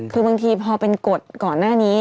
คือบางทีพอเป็นกฎก่อนหน้านี้